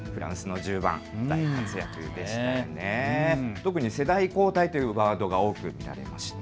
特に世代交代というワードが多く見られました。